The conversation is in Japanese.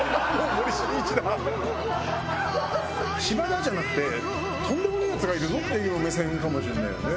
「芝だ」じゃなくて「とんでもねえヤツがいるぞ」っていう目線かもしれないよね。